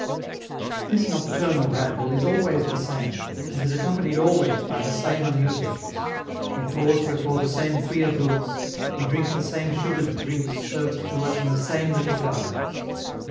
This nocturnal ramble is always the same, and is accompanied always by the same amusements: we pause before the same queer booths, we drink the same sugared drinks served to us in the same little gardens.